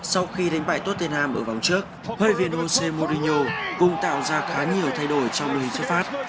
sau khi đánh bại tottenham ở vòng trước hội viên jose mourinho cũng tạo ra khá nhiều thay đổi trong lưu hình trước phát